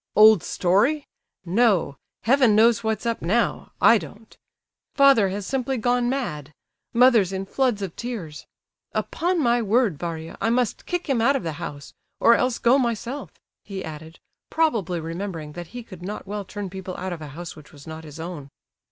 "Old story? No! Heaven knows what's up now—I don't! Father has simply gone mad; mother's in floods of tears. Upon my word, Varia, I must kick him out of the house; or else go myself," he added, probably remembering that he could not well turn people out of a house which was not his own.